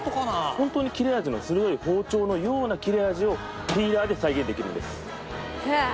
ホントに切れ味の鋭い包丁のような切れ味をピーラーで再現できるんです。